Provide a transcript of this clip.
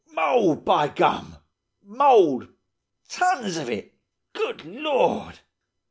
"'Mould, by gum! Mould–tons of it. Good lord!